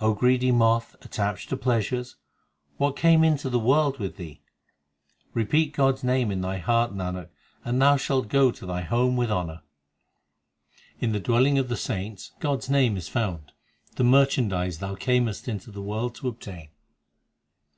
O greedy moth, attached to pleasures, What came into the world with thee ? Repeat God s name in thy heart, Nanak, and thou shalt go to thy home with honour. R2 244 THE SIKH RELIGION 5 In the dwelling of the saints God s name is found The merchandise thou earnest into the world to obtain.